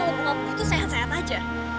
lo lapuin itu sehat sehat aja